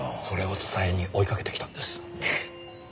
それを伝えに追いかけてきたんですよ。